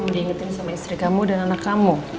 diingetin sama istri kamu dan anak kamu